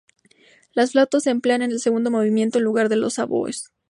Las flautas se emplean en el segundo movimiento en lugar de los oboes.